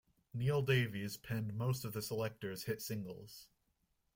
Neol Davies penned most of The Selecter's hit singles.